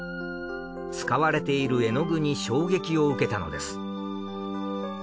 使われている絵の具に衝撃を受けたのです。